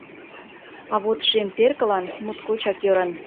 А вот шем теркылан моткочак ӧрын.